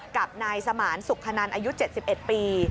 กับนายสมานสุขนันอายุ๗๑ปี